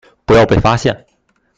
不要被發現